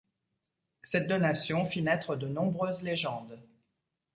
Cette donation fit naître de nombreuses légendes.